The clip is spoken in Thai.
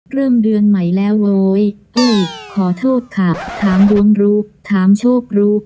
เริ่มเดือนใหม่แล้วโว้ยเอ้ยขอโทษค่ะถามดวงรู้ถามโชครู้